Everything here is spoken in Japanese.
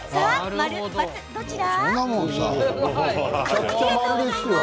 ○×どちら？